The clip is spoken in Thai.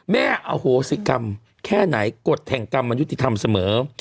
อโหสิกรรมแค่ไหนกฎแห่งกรรมมันยุติธรรมเสมอ